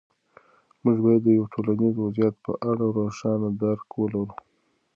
موږ باید د یو ټولنیز وضعیت په اړه روښانه درک ولرو.